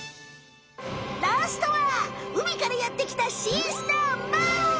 ラストはうみからやってきたシースターまる！